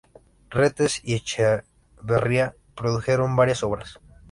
Retes y Echevarría produjeron varias obras.